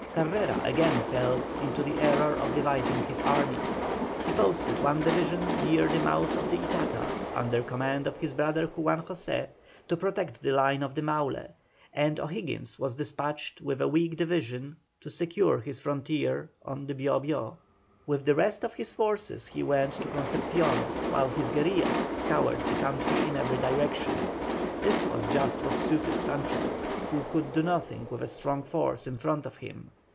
Carrera again fell into the error of dividing his army. He posted one division near the mouth of the Itata, under command of his brother Juan José, to protect the line of the Maule, and O'Higgins was despatched with a weak division to secure the frontier on the Bio Bio. With the rest of his forces he went to Concepcion, while his guerillas scoured the country in every direction. This was just what suited Sanchez, who could do nothing with a strong force in front of him.